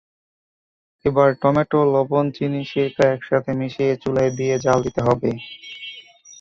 এবার টমেটো, লবণ, চিনি, সিরকা একসাথে মিশিয়ে চুলায় দিয়ে জ্বাল দিতে হবে।